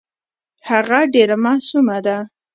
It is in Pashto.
هغه ډېره معصومه ده .